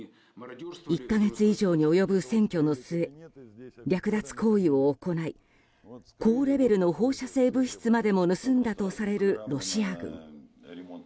１か月以上に及ぶ占拠の末略奪行為を行い高レベルの放射性物質までも盗んだとされるロシア軍。